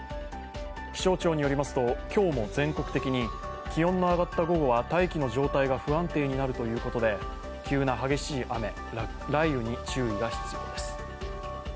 気象庁によりますと今日も全国的に気温の上がった午後は大気の状態が不安定になるということで急な激しい雨、雷雨に注意が必要です。